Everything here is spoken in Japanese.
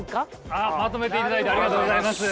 あっまとめていただいてありがとうございます！